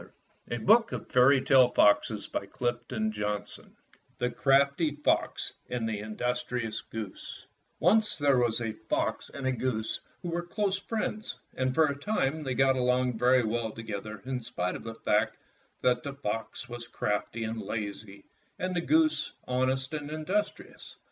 I THE CRAFTY FOX AND THE INDUSTRIOUS GOOSE THE CRAFTY FOX AND THE INDUSTRIOUS GOOSE O NCE there was a fox and a goose who were close friends, and for a time they got along very well together in spite of the fact that the fox was crafty and lazy and the goose honest and industrious.